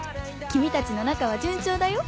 君たちの仲は順調だよ！